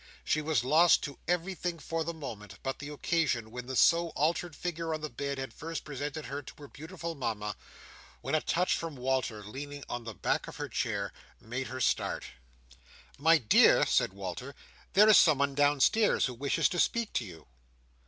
She was lost to everything for the moment, but the occasion when the so altered figure on the bed had first presented her to her beautiful Mama; when a touch from Walter leaning on the back of her chair, made her start. "My dear," said Walter, "there is someone downstairs who wishes to speak to you."